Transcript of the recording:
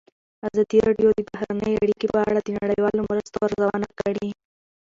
ازادي راډیو د بهرنۍ اړیکې په اړه د نړیوالو مرستو ارزونه کړې.